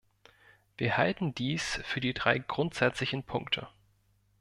Wir halten dies für die drei grundsätzlichen Punkte.